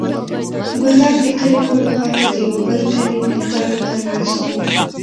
ګلداد د کلي پورې خوا ته د یوه بل کلي پیتاوي ته ناست و.